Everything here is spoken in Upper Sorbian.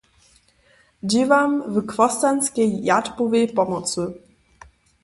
Dźěłam w chłostanskej jatbowej pomocy.